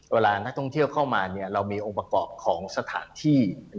เวลานักท่องเที่ยวเข้ามาเรามีองค์ประกอบของสถานที่